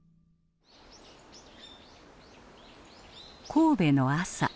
神戸の朝。